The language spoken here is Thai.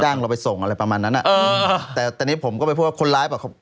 เราไปส่งอะไรประมาณนั้นอ่ะเออแต่ตอนนี้ผมก็ไปพูดว่าคนร้ายป่ะ